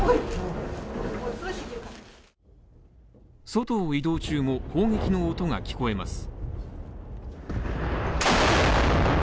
外を移動中も攻撃の音が聞こえます。